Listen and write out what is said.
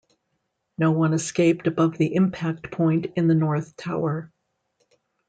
No one escaped above the impact point in the North Tower.